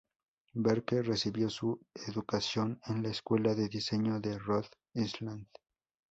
Berke recibió su educación en la Escuela de Diseño de Rhode Island.